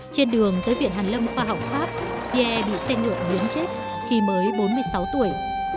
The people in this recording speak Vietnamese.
trên đường tới viện hàn lâm khoa học pháp pierre bị xe nượn biến chết khi mới bốn mươi sáu tuổi